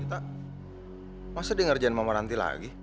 kita masa di ngerjain mama ranti lagi